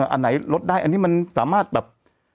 อันไหนลดได้อันนี้มันสามารถแบบ